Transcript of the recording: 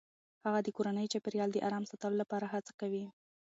هغه د کورني چاپیریال د آرام ساتلو لپاره هڅه کوي.